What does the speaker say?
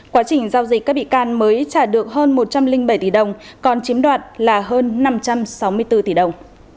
quá trình giao dịch các bị can mới trả được hơn một trăm linh bảy tỷ đồng còn chiếm đoạt là hơn năm trăm sáu mươi bốn tỷ đồng